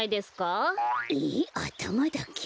ええっあたまだけ？